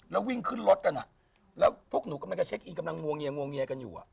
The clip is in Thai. แล้ววิ่งขึ้นรถกันอ่ะแล้วพวกหนูกำลังจะเช็คอินกำลังงวงเงียงวงเงียกันอยู่